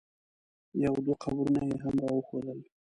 یو دوه قبرونه یې هم را وښودل.